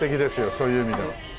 そういう意味では。